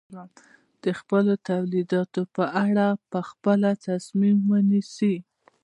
د خپلو تولیداتو په اړه په خپله تصمیم ونیسي.